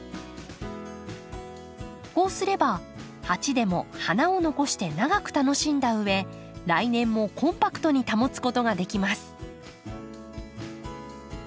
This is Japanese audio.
こうすれば鉢でも花を残して長く楽しんだうえ来年もコンパクトに保つことができます。